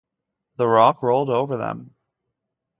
The rock rolled over them.